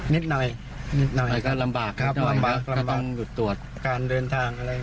นิดหน่อยนิดหน่อยก็ลำบากครับลำบากกำลังหยุดตรวจการเดินทางอะไร